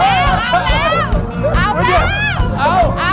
เอาแล้วค่ะ